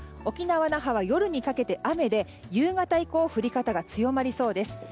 沖縄・那覇は夜にかけて雨で夕方以降降り方が強まりそうです。